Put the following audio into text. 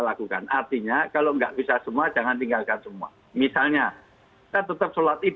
lakukan artinya kalau nggak bisa semua jangan tinggalkan semua misalnya tetap sholat ibn